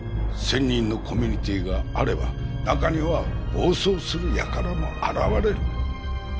１０００人のコミュニティーがあれば中には暴走する輩も現れる。